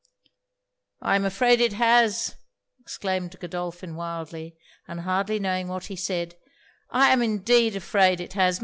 'I am afraid it has!' exclaimed Godolphin wildly, and hardly knowing what he said 'I am indeed afraid it has!